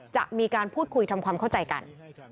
จะมีการพูดคุยทำความเข้าใจกัน